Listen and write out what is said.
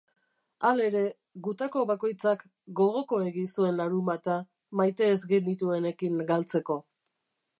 Halere, gutako bakoitzak gogokoegi zuen larunbata, maite ez genituenekin galtzeko.